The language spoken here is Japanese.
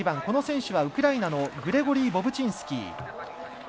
この選手はウクライナのグリゴリー・ボブチンスキー。